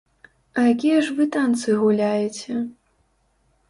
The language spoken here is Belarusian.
А якія ж вы танцы гуляеце?